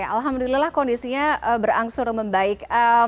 alhamdulillah kondisinya berangsur membaik